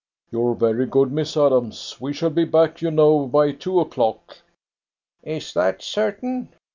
"You're very good, Miss Adams. We shall be back, you know, by two o'clock." "Is that certain?"